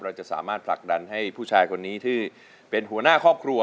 เราจะสามารถผลักดันให้ผู้ชายคนนี้ที่เป็นหัวหน้าครอบครัว